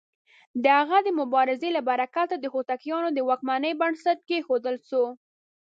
د هغه د مبارزې له برکته د هوتکيانو د واکمنۍ بنسټ کېښودل شو.